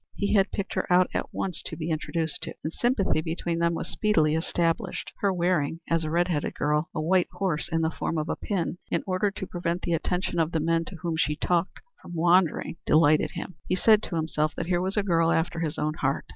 He had picked her out at once to be introduced to, and sympathy between them was speedily established. Her wearing, as a red headed girl, a white horse in the form of a pin, in order to prevent the attention of the men to whom she talked from wandering, delighted him. He said to himself that here was a girl after his own heart.